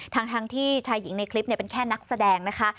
ทั้งที่ชายหญิงในคลิปเป็นแค่นักแสดงนะคะ